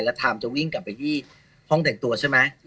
แล้วไทม์จะวิ่งกลับไปที่ห้องแต่งตัวใช่ไหม